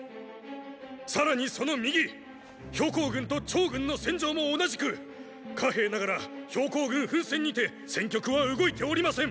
さらにその右公軍と趙軍の戦場も同じく寡兵ながら公軍奮戦にて戦局は動いておりません！